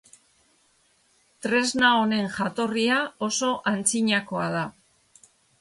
Tresna honen jatorria oso antzinakoa da.